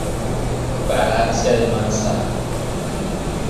Fragancia de manzana.